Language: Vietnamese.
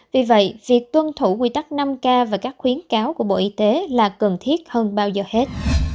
vì vậy việc tuân thủ quy tắc năm k và các khuyến cáo của bộ y tế là cần thiết hơn bao giờ hết